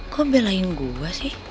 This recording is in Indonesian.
kok belain gue sih